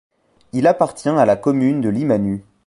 Il appartient à la commune de Limanu.